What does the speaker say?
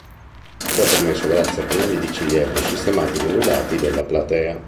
Ciò è permesso grazie a pannelli di ciliegio sistemati lungo i lati della platea.